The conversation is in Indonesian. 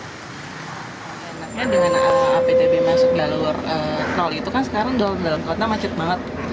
dengan aptb masuk jalur tol itu kan sekarang jalur jalur kota macet banget